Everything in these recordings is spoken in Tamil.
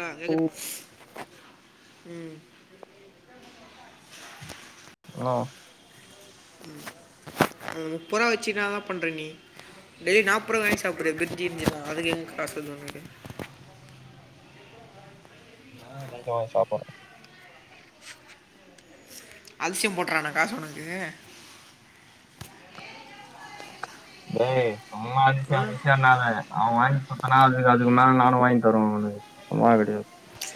அ ஜெகத் ம் என்னவா ம் முப்பருவா வெச்சு என்னதா பண்ற நீ டேய்லி நாப்பரவாக்கு வாங்கி சாப்பட்றியே பிரிஞ்சி கிரிஞ்சி எல்லா அதுக்கு எங்க காசு வருது உனக்கு நா ஏ நைட்டு வாங்கி சாப்பற்றே அல்சியம் போட்டற்றாணா காசு உனக்கு டேய் சும்மா அதிசியோ ஆ? அதிசியோனாத அவ வாய்ங் குத்தனா அது அதுக்கு மேல நானு வாய்ங் தருவே அவனுக்கு சும்மா கடையாது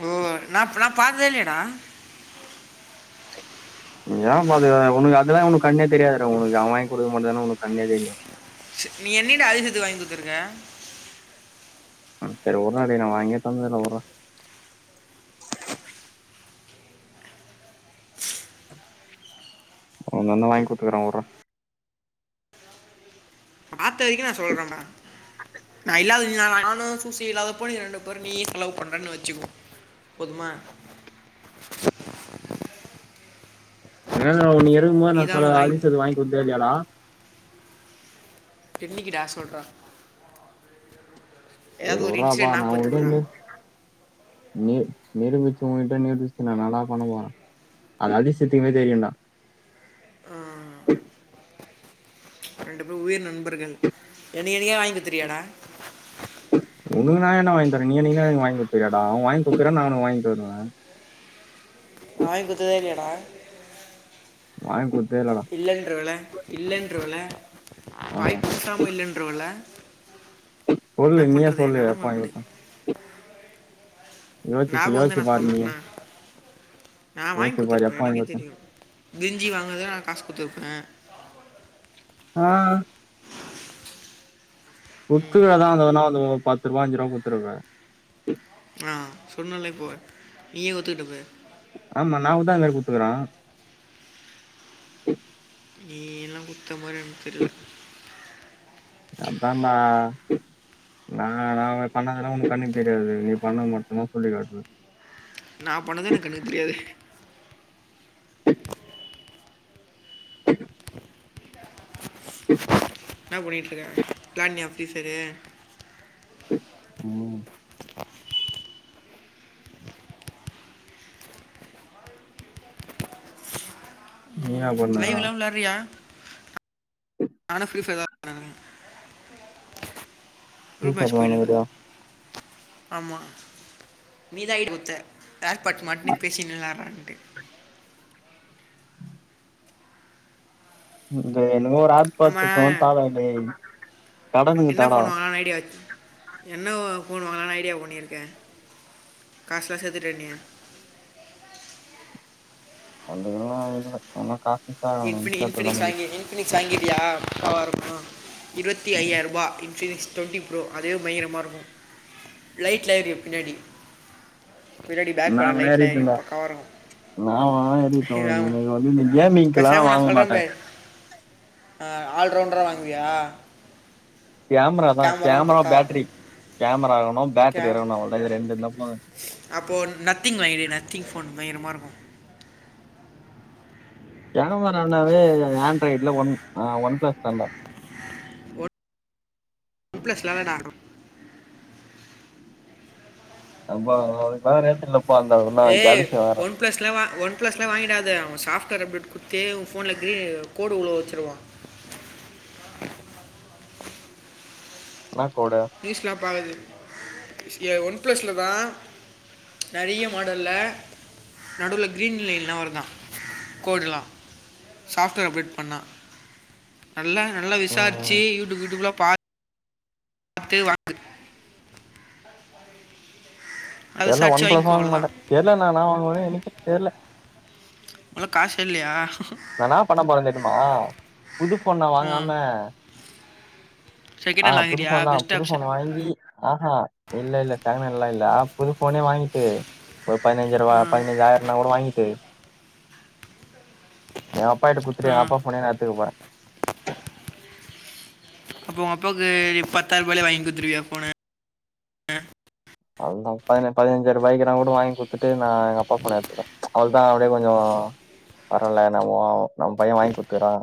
ஓ நா இப்பலா பாக்கர்தே இல்லயேடா கொஞ்ச நேரோ பாத்துக்குறனே உனக்கு அதெல்லா உனக்கண்ணே தெரியாதுடா உனக்கு அவ வாய்ங் குடுக்க மட்டுதான உனக்கண்ணே தெரியு நீ என்னிக்டா அதிசியத்துகு வாய்ங் குடுத்துருக்க செரி உட்ரா டேய் நா வாங்கியே தந்ததில்ல உட்ரா அவ தான்டா வாய்ங் குடுத்துருக்கா உட்றா பாத்த வரிக்கு நா சொல்றேன்டா நா இல்லாதது நானு சூசி இல்லாதப்போ நீ ரெண்டு பேரு நீயே செலவு பண்றன்னு வெச்சுக்குவோ போதுமா என்னடா ஒ நீ இருக்கும்போது நா தான் செலவு அவனுக்கு வாங்கி அரீஸ்து வாய்ங் குடுத்ததே இல்லையாடா என்னிக்குடா சொல்றா ஏதாவது சேரி ஒரு உட்றாப்பா இன்சிடென்ட் நா நாற்பத்தி உங்ககிட்ட விட்றா இன்னிமேல் நீ நிரூபிச்சு உன்கிட்ட நிரூபிச்சு நா என்னடா பண்ண போற அது அதிசியத்துக்குமே தெரியுடா ரெண்டு பேரு உயிர் நண்பர்கள் எனக்கு என்னிக்கா வாய்ங் குடுத்துருக்கியாடா உனக்கு நா ஏ டா வாங்கி தரே நீ என்னிக்குன்னா எனக்கு வாய்ங் குடுத்துருக்கியாடா அவ வாய்ங் குடுக்கறா நா அவனுக்கு வாய்ங் தருவே நா வாய்ங் குத்ததே இல்லையாடா வாய்ங் குத்ததே இல்லடா இல்லன்றவல்ல இல்லன்றவல்ல ஆமா வாய் கூசாம இல்லன் றுவல்ல சொல்லு நீயே சொல்லு எப்ப வாய்ங் குடுத்தன் யோசிச்சு சொ ஞாபகோ இருந்தா நா யோசிச்சு சொல்ல பாரு நீயே மாட்டனா நா வாய்ங் யோசிச்சு பாரு குத்துருப்பே எப்ப வாங்கி எனக்கே குடுத்தே தெரியு பிரிஞ்சி வாங்கதா நா காஸ் குத்துருப்பே ஆ குத்திருப்ப எதா எதனா வந்து பத்து ருபா அஞ்சு ருபா குத்துருப்ப ஆ சொன்னல்ல இப்போ நீயே ஒத்துக்குட்ட பாரு ஆமா நாகூடதா அந்தமாரி குத்துக்குறே நீ எல்லா குத்தமாரி எனக்கு தெர்ல அத்தான்டா நா நா உனக் பண்ணதெல்லா உனக் கண்ணுக்கு தெரியாது நீ பண்ணது மட்டுதா சொல்லிக்காட்டுவ நா பண்ணதே எனக் கண்ணுக்கு தெரியாதே என்ன பண்ணிட்ருக்க விளாட்னியா ஃபிரீ ஃபயிரு ம் நீ என்னா பண் லைவ் எல்லா விளையாட்றியா நானு பிப்த் ரூம் ஃப்ரீஃபயர்ல மேட்ச் போயிட்ருக்குது விளாண்டுக்கறியா ஆமா நீதா ஏடு குடுத்த இயர் பாட்ஸ்டு மாட்ன்னே பேசிட்னு விளாட்ரா அங்ட்டு இந்த என்னமோ ஒரு ஏர்பார்ட்ஸ் எடுத்துனு வந்து ஆமாம் தாரான் டேய் என் கடனுக்கு என்ன தாடா ஃபோன் வாங்கலான்னு ஐடியா இருக்கு என்ன ஃபோன் வாங்கலனு ஐடியா பண்ணியிருக்கே காசுலா சேர்த்துட்ருக்கேனியே அதெல்லா இல்ல ஒன்னு காசு சேக்கலடா இன்னு சேத்தாதா முடியு பிக்னிக் வாங்கிட்டியா இந்த வாரமா இருவத்தி ஐயாயிர ரூபா இன்பினிக்ஸ் தொட்டிப் ப்ரோ அதுவே பயங்கரமா இருக்கு லைட்லா எரியு பின்னாடி பின்னாடி பேக் நா பேனல் வேணா லைட்ல ஏறிட்டேன்டா எரியு பக்கவா இருக்கு நா வாங்குனா எறிட்டோ இந்த இது வந்து இந்த கேமிங்கெல்லா வாங்க மாட்டாங்க ஆ ஆல்ரவுண்டரா வாங்குவியா கேமரா தா கேமராவும் கேமரா பக்கா பேட்டரி கேமரா எறக்கணு பேட்டரி எறக்கணு அவ்ளோதா இது ரெண்டுருந்தா போது அப்போ நத்திங் வாங்கிரு நத்திங் ஃபோன் பயங்கரமா இருக்கு கேமரானாவே அது அது ஆண்ட்ராய்ட்ல ஒன் அ ஒன் ப்ளஸ் தான்டா ஒன் ப்ளஸ் லெவனா டோ அப்ப அவ்ளோதுக்கெல்லா ரேட் இல்லப்பா அந்த இந்த கேலக்ஸி வரு ஸ்லா வா ஒன் ப்ளஸ்லா வாங்கிடாத அவன் சாப்ட்வேர் அப்டேட் குடுத்தே ஓ ஃபோன்ல க்ரின் கோடு உல வச்சுருவா என்னா கோடு நியூஸ்லா பாக்குறது ஏ ஒன் ப்ளஸ்லதா நெறைய மாடல்ல நடுல கிரீன்லைன்லா வரு தா கோடுலா சாப்ட்வேர் அப்டேட் பண்ணா நல்லா நல்லா ம் விசாரிச்சு யூடியூப் யூடியூப்லா பாத்து வாங்குற்து நல்லா தெர்ல ஒன் விசாரித்து ப்ளஸ் வாங்கிக்கோ வாங்க மாட்டே அவ்வளோதான் தெர்யல நான்னா வாங்குவேனு எனக்கே தெர்ல நல்ல காசே இல்லையா நா இன்ன பண்ண போறே தெரியுமா புது ஃபோன் நா ஆ வாங்காம செகண்ட் ஆ ஹேண்ட் புது வாங்குறியா ஃபோன் தா பெஸ்ட் புது ஆப்ஷன் ஃபோனு வாங்கி ஆ ஹா இல்ல இல்ல செகண்ட் ஹேண்ட்லா இல்ல ஆ புது ஃபோனே வாங்கிட்டு ஒரு பதுனஞ்சு ஆயிர்ரூவா பதினஞ்சு ஆயிரனா கூட வாங்கிட்டு எங்க அப்பாட்ட குடுத்துட்டு ஆ எங்க அப்பா ஃபோனயே நா எடுத்துக்க போறே அப்ப உங்க அப்பாக்கு பத்தாயிர ரூபாயாலே வாங்கி குடுத்துருவியா ஃபோனு அவளோதா பதினே பதினஞ்சாயிர ரூபாய்க்குனா கூட வாங்கி குடுத்துட்டு நா எங்க அப்பா ஃபோன எடுத்துடுவே அவளோ தா அப்டியே கொஞ்சோ பரவால நம்மோ நம்ம பையே வாங்கி குடுத்துக்குறா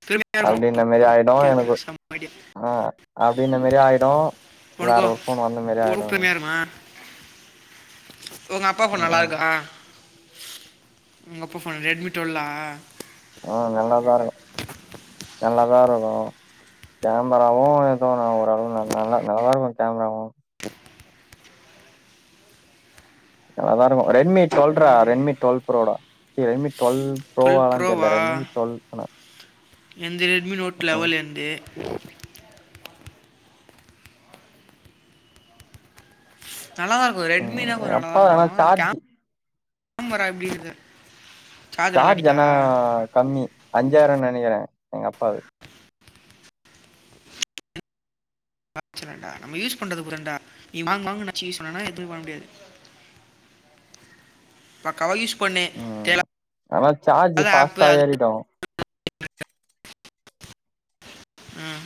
பெருமே அப்டி இந்த மாரி ஆயிடு எனக்கு ஆ அப்டி இந்த மாரி ஆயிடு வேற உனக்கோ ஒ ஒரு ஃபோன் வந்த மாரி ஆயிடு பொறுப்பு மே எனக்கு ஆயிருமா உங்க அப்பா ஃபோன் நல்லா ம் இருக்கா உங்க அப்பா ஃபோன் ரெட்மி டுவல்லா ஆ நல்லாதா இருக்கு நல்லாதா இருக்கு கேமராவு ஏதோ நா ஓரளவு நல்லா நல்லா நல்லாதா இருக்கு கேமராவு நல்லா தா இருக்கு ரெட்மி டு்வல்ரா ரெட்மி டு்வல் ப்ரோ டா கி ரெட்மி டுவல் ப்ரோ டுவெல் வாலா தெர்ல ரெட்மி டுவேல் ஆனா என்து ரெட்மி நோட் ம் லெவல் என்து நல்லா தா இருக்கு ம் ரெட்மினா கொஞ்ச எங்க நல்லா தா அப்பா ஆனா இருக்கு சார்ஜ் கேம் கேமரா எப்டி இருக்து சார்ஜ் ஆனா கம்மி அஞ்சாயிரோ நெனைக்குறே எங்க அப்பாது வச்சறண்டா நம்ம யூஸ் பண்றதுப்புறண்டா நீ மாங்கு மாங்கு ன்னு அட்ச்சி யூஸ் பண்ணோனா எதுமே பண்ண முடியாது பக்காவா யூஸ் பண்ணு ம் தேவலா ஆனா சார்ஜ் ல்லாத ஆப்பு ஃபாஸ்ட்டா அது ஏறிடு ம்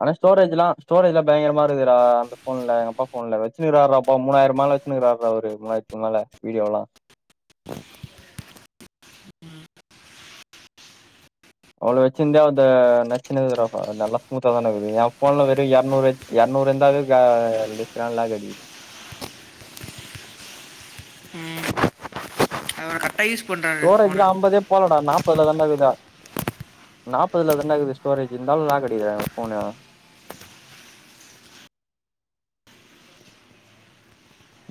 ஆனா ஸ்டோரேஜ்லா ஸ்டரேஜ்ல்லா பயங்கரமா இருக்குடா அந்த ஃபோன்ல எங்க அப்பா ஃபோன்ல வெச்ருக்கார்றாப்பா மூணாயிரம் மேல வெச்ன்னுருக்கார்ரா அவரு மூனாயிர்த்துக்கு மேல வீடியோவ்லா அவ்ளோ வெச்சிர்ந்தே அது நச்சுனுக்குறுக்குடாப்பா நல்லா ஸ்மூத்தா தான இருக்குது எ ஃபோன்ல வெறு எரநூறு எரநூறு இருந்தாவ க நெட் நல்லா கடிக்குது ம் அவரு கர்ட்டா யூஸ் பண்றா ஸ்டோரேஜ்லா அம்பதே போலடா நாப்பதுல தான்டாங்கிது நாப்பதுல தான்டாக்குது ஸ்டோரேஜ் இருந்தாலு லாக்கடிக்கதுடா எ ஃபோனு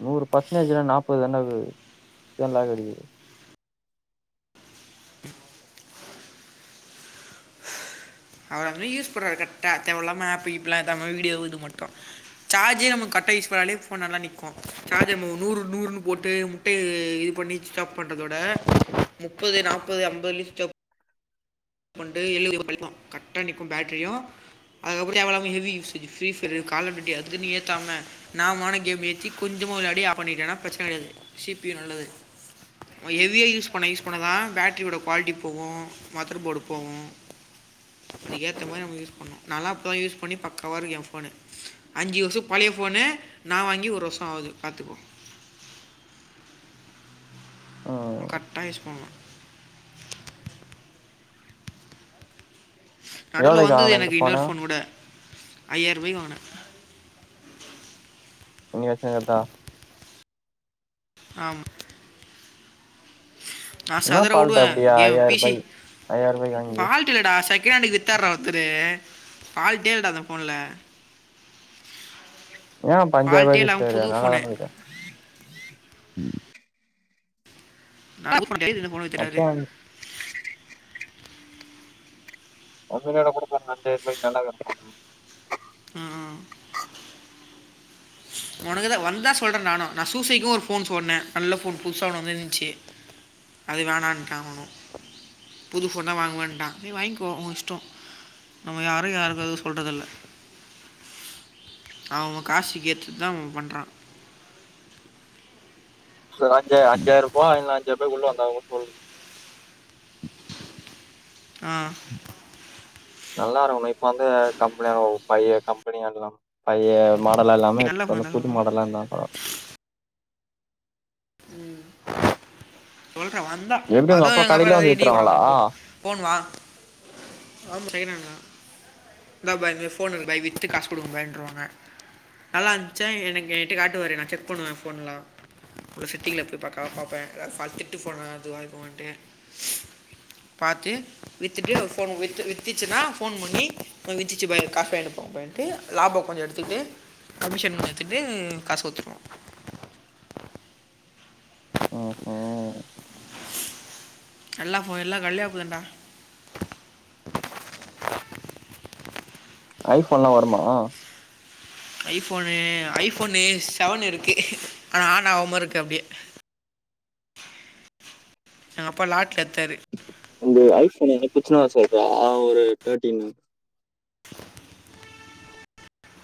நூறு பர்சன்டேஜ்ல்ல நாப்பதுதான்டா நல்லா கெடக்கிது அவரு ரீ யூஸ் பண்ணுவாரு கர்ட்டா தேவ இல்லாம ஆப்பு கீப்புலா ஏத்தாம வீடியோவு இது மட்டு சார்ஜே நம்ம கர்ட்டா யூஸ் பண்ணால ஃபோன் நல்லா நிக்கு சார்ஜ நம்ப நூறு நூறுன்னு போட்டு ட்டு இது பண்ணி ஸ்விச் ஆப் பண்றத வுட முப்பது நாப்பது அம்பதுல ஸ்விச் ஆஃப் பண்டு எழுவதுஎம்பதுல போய் நிக்கு கர்ட்டா நிக்கு பேட்ரியு அதுக்கப்றோ ஏவயில்லாம ஹெவி யூஸ்சேஜ் ஃபிரி பியர்டு காலர்டூட்டி அதுக்ன்ட்டு ஏத்தாம நாமான கேமு ஏற்றி கொஞ்சமா வெள்யாடி ஆஃப் பண்ணிட்டேனா பிரச்சன கீடையாது சி பி யு நல்லது நம்ம ஹெவியா யூஸ் பண்ண யூஸ் பண்ணதா பேட்ரியோட குவாலிட்டி போகோ மதர் போர்டு போவோ அதுக்க ஏத்த மாரி நம்ம யூஸ் பண்ணோ நா லா இப்பதா யூஸ் பண்ணி பக்காவா இருக்கு எ ஃபோனு அஞ்சு வர்ஷோ பழைய ஃபோனு நா வாங்கி ஒரு வர்ஷோ ஆவுது பாத்துக்கோ அவ ம் கர்ட்டா யூஸ் பண்ணுவா நடுவுல எவ்ளோக்கு வந்துது வாங்குன இந்த எனக்கு ஃபோனு இன்னோர் ஃபோன் கூட ஐயாயிரபாய்க்கு வாங்குனே நீ வெச்சுனுகுறதா ஆமா நா என்ன சதற ஃபால்ட் வுடுவே அப்டியா கேம் பி சி ஐயாயிரூபாய் ஐயாயிரூபாய்க்கு வாங்கிது ஃபால் வொர்த்து இல்லடா செகண்ட்ஹேண்டுக்கு வித்தாறா ஒர்த்தரு ஃபால்ட்டே இல்லடா அந்த ஃபோன்ல ஏ அப்ப ஃபால்ட்டே அஞ்சாயிரூபாய்க்கு இல்லாம வித்துட்டாரு புது ஃபோனு நல்லாதான இருக்கு ஆ புது ஃபோனுகான்டி இந்த ஃபோன வித்துட்டாரு அப்ப [unintelligible] ம் ஒனக்கு தா வந்தா சொல்ற நானோ நா சூசைக்கு ஒரு ஃபோன் சொன்னே நல்ல ஃபோன் புதுசா ஒன்னு வந்துதுனுச்சு அது வேணான்ட்டா அவனு புது ஃபோன் தா வாங்கவேன்ட்டா நீ வாங்கோ உ இஷ்டோ நம்ம யாரோ யாருக்கு எதுவு சொல்றதுல்ல அவ காசுக்கு கேட்டு தா அவ பண்றா சு அஞ்சா அஞ்சாயிரபா இல்ன்னா அஞ்சாயிருபாகுள்ள வந்தா சொல்லு ஆ நல்லா இருக்கோல இப்ப வந்து கம்பனிய பய்ய கம்பனியாண்டதா பய்ய மாடலா இல்லாம நல்ல இப்ப ஃபோன் வந்து தான் புது சொல்லுவான் மாடல்லா இர்ந்தா பரவா ம் சொல்றே வந்தா எப்டி உங்க அதுவு [unintelligible] எங்க அப்பா கடையில ஏதாவது வந்து இடி போறா வித்துருவாங்களா போ ஃபோன் வாங் ஆமா செகனன்ட்தா இந்த பாய் இந்த ஃபோன்னு இருக்கு பாய் வித்து காசு குடுங்க பாய்ன்றுவாங்க நல்லா இந்துச்சா எனக்கு என்ட்ட காட்டுவாரு நா செக் பண்ணுவ ஃபோன்லா ஒரு சிட்டிங்ல போய் பக்காவா பாப்பே எதாவது ஃபால் திட்டு ஃபோனா அதுவா இதுவான்ட்டு பாத்து வித்துட்டு அவுரு ஃபோனு வித்து வித்துச்சுன்னா ஃபோன் பண்ணி அ விச்சிச்சி பாய் காசு வாய்ன்ட்டு போங்க டு லாபோ கொஞ்சொ எடுத்துகிட்டு கமிஷன் எடுத்துக்ட்டு காசு கொடுத்துருவோ ம் ம் எல்லா போன் எல்லா கால்யா பொய்ருன்டா ஐஃபோன்லா வருமா ஐஃபோனூ ஐஃபோனு செவன் இருக்கு ஆனா ஆன் ஆவாம இருக்கு அப்டியே எங்கப்பா லாட்ல எட்த்தாரு என்து ஐபோன் எதனா பிரச்சன வந்தா சொல்றா ஒரு தேட்டீன்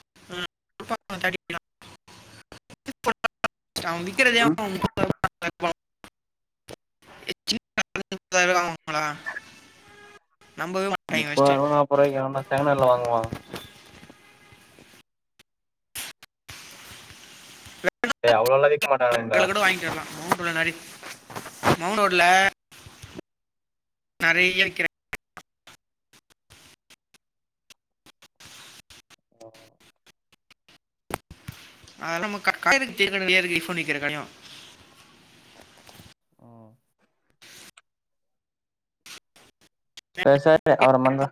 [unintelligible] [unintelligible] ஆ [unintelligible] நம்பவே மாட்டாங்க ஃபஸ்ட்டு முப்பதாயிரூவா நாப்பதுரூபாய்க்கு எவன்டா செகண்டென்டுல வாங்குவா எ அவ்ளோலாய் கூட வாய்க்கிர்லா [unintelligible] மௌன்ட்ரோட்ல நெறையா விக்கிற ஆ ஆ நம்ம [unintelligible] ஐபோன் விக்கிற கடயு ம் சேர் சேரி அப்பறொ பண்றே